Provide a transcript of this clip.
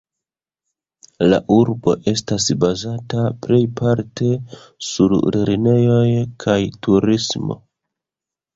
La urbo estas bazata plejparte sur lernejoj kaj turismo.